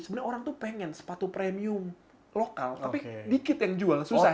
sebenarnya orang tuh pengen sepatu premium lokal tapi dikit yang jual susah